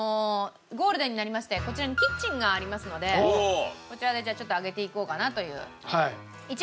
ゴールデンになりましてこちらにキッチンがありますのでこちらでじゃあちょっと揚げていこうかなという。